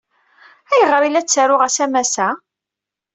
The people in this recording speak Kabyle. Ayɣer ay la ttaruɣ asamas-a?